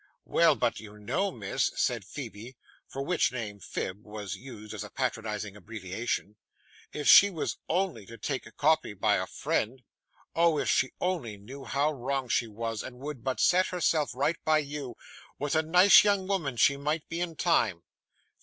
'Well, but you know, miss,' said Phoebe, for which name 'Phib' was used as a patronising abbreviation, 'if she was only to take copy by a friend oh! if she only knew how wrong she was, and would but set herself right by you, what a nice young woman she might be in time!